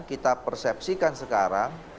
kita persepsikan sekarang